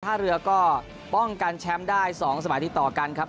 ท่าเรือก็ป้องกันแชมป์ได้๒สมัยติดต่อกันครับ